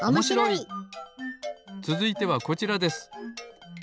つづいてはこちらです。